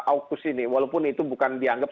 aukus ini walaupun itu bukan dianggap